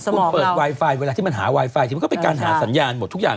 คุณเปิดไวไฟเวลาที่มันหาไวไฟที่มันก็เป็นการหาสัญญาณหมดทุกอย่าง